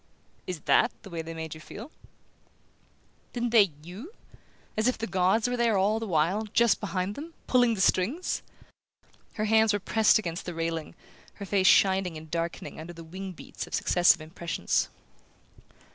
"Is THAT the way they made you feel?" "Didn't they YOU?...As if the gods were there all the while, just behind them, pulling the strings?" Her hands were pressed against the railing, her face shining and darkening under the wing beats of successive impressions.